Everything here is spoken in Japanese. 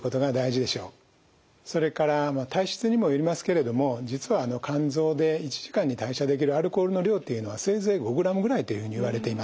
それから体質にもよりますけれども実は肝臓で１時間に代謝できるアルコールの量というのはせいぜい５グラムぐらいというふうにいわれています。